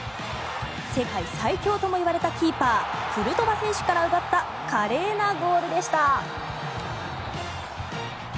世界最強ともいわれたキーパークルトワ選手から奪った華麗なゴールでした。